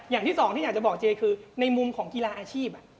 อย่างที่สองที่อยากจะบอกเจคือในมุมของกีฬาอาชีพ